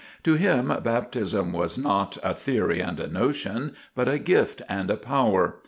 To him baptism was, not "a theory and a notion," but "a gift and a power."